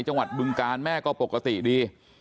จังหวัดบึงการแม่ก็ปกติดี